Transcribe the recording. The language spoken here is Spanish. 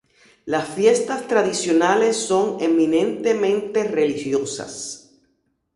Las fiestas tradicionales son eminentemente religiosas.